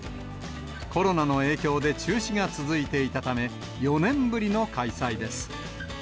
コロナの影響で中止が続いていたため、４年ぶりの開催です。